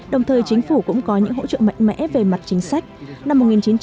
đồng thời chính phủ cũng có những hỗ trợ mạnh mẽ về mặt chính sách